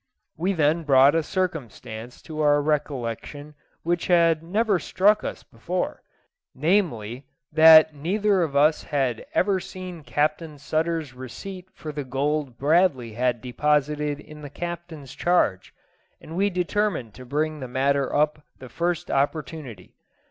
We then brought a circumstance to our recollection which had never struck us before, namely, that neither of us had ever seen Captain Sutter's receipt for the gold Bradley had deposited in the Captain's charge, and we determined to bring the matter up the first opportunity.